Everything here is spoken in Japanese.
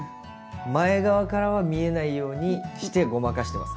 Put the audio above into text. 前側からは見えないようにしてごまかしてます。